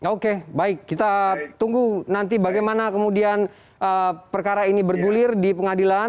oke baik kita tunggu nanti bagaimana kemudian perkara ini bergulir di pengadilan